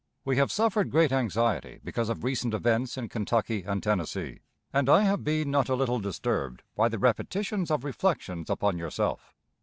We have suffered great anxiety because of recent events in Kentucky and Tennessee, and I have been not a little disturbed by the repetitions of reflections upon yourself.